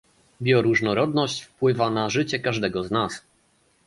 Bioróżnorodność wpływa na życie każdego z nas